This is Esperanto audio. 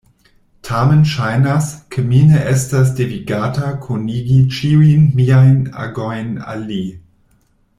Tamen ŝajnas, ke mi ne estas devigata konigi ĉiujn miajn agojn al li.